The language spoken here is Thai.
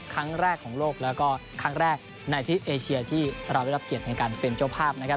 ครั้งแรกของโลกแล้วก็ครั้งแรกในที่เอเชียที่เราได้รับเกียรติในการเป็นเจ้าภาพนะครับ